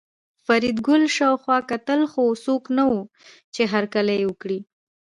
فریدګل شاوخوا کتل خو څوک نه وو چې هرکلی یې وکړي